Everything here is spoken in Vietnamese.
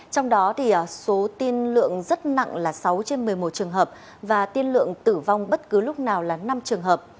trong đó số tiên lượng rất nặng là sáu trên một mươi một trường hợp và tiên lượng tử vong bất cứ lúc nào là năm trường hợp